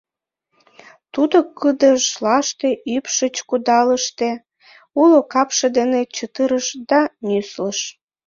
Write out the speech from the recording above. Тудо кыдежлаште ӱпшыч кудалыште, уло капше дене чытырыш да нюслыш.